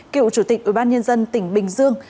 cựu chủ tịch ủy ban nhân dân tỉnh bình dương